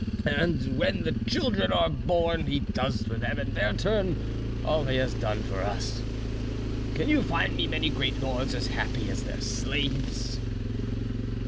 And when the children are born, he does for them in their turn all he has done for us. Can you find me many great lords as happy as their slaves?"